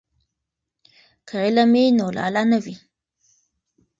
که علم وي نو لاله نه وي.